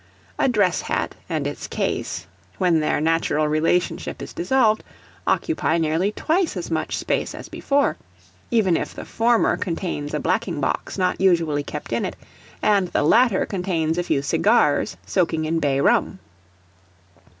A dress hat and its case, when their natural relationship is dissolved, occupy nearly twice as much space as before, even if the former contains a blacking box not usually kept in it, and the latter contains a few cigars soaking in bay rum.